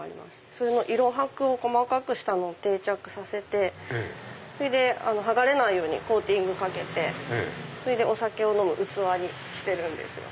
その色箔を細かくしたのを定着させてそれで剥がれないようにコーティングかけてお酒を飲む器にしてるんですよ。